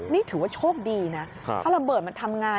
นี่ถือว่าโชคดีนะถ้าระเบิดมันทำงาน